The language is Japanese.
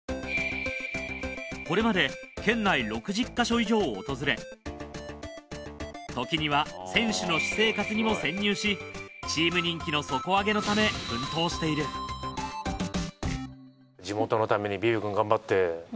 これまで県内時には選手の私生活にも潜入しチーム人気の底上げのため奮闘している地元のためにヴィヴィくん頑張って。